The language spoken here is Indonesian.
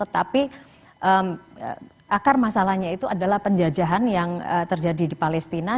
tapi akar masalahnya itu adalah penjajahan yang terjadi di palestina